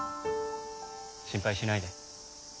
心配しないで。